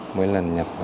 mỗi lần nhập khoảng